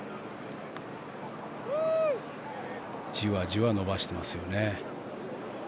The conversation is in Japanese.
じわじわ伸ばしてますよね。